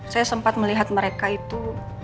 saya sempat melihat mereka itu